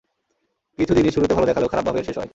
কিছু জিনিস শুরুতে ভাল দেখালেও খারাপভাবে এর শেষ হয়।